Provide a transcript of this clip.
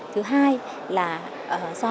thứ hai là do